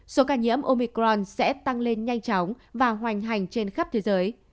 số ca nhiễm omicron sẽ tăng lên nhanh chóng và hoành hành trên khắp thế giới